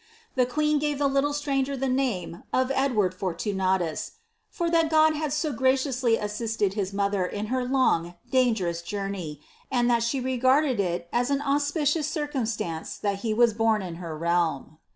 The queen gave the little stranger the name of Edward Fortunatus,' ^ for that God had so graciously assisted his ■other in her long, dangerous journey, and that she regarded it as an mpkioiu circumstance that he was born in her realm."